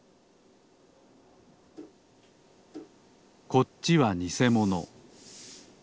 こっちはにせもの。